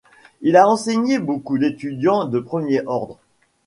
Il a enseigné beaucoup d'étudiants de premier ordre.